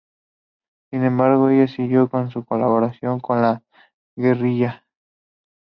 Sin embargo, ella siguió con su colaboración con la guerrilla.